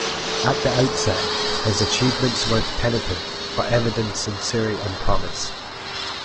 At the outset his achievements were tentative, but evidenced sincerity and promise.